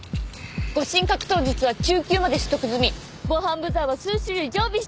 護身格闘術は中級まで取得済み防犯ブザーは数種類常備しております。